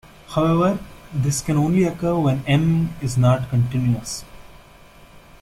However, this can only occur when "M" is not continuous.